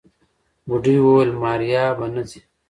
بوډۍ وويل ماريا به نه ځي.